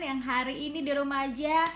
yang hari ini di rumah aja